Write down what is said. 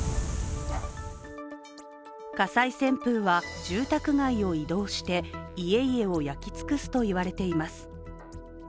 火災旋風は住宅街を移動して家々を焼き尽くすといわれています。